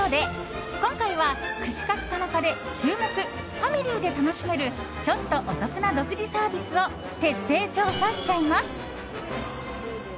ファミリーで楽しめるちょっとお得な独自サービスを徹底調査しちゃいます。